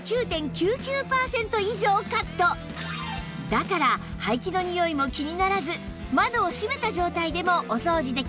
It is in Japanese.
だから排気のニオイも気にならず窓を閉めた状態でもお掃除できます